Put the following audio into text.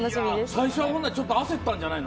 最初はちょっと焦ったんじゃないの？